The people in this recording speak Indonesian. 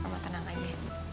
mamo tenang aja